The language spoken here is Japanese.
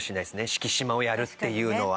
四季島をやるっていうのは。